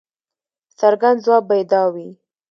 څرګند ځواب به یې دا وي.